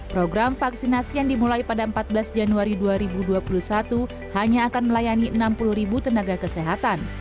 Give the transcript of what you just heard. program vaksinasi yang dimulai pada empat belas januari dua ribu dua puluh satu hanya akan melayani enam puluh ribu tenaga kesehatan